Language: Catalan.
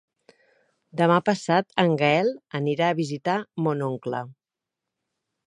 Demà passat en Gaël anirà a visitar mon oncle.